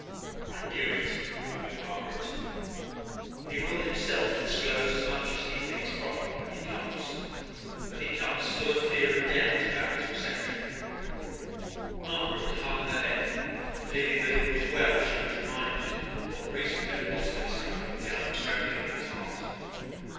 "I knew it," murmured Margaret. "He will himself disclose as much as he thinks proper, when he comes: but he comes full of fear and doubt about his reception." Margaret hung her head, feeling that it was well she was reminded what reason there was for his coming with doubt and trembling in his heart.